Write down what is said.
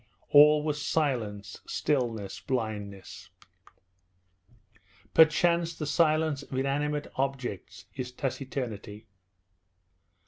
All was silence, stillness, blindness. Perchance the silence of inanimate objects is taciturnity.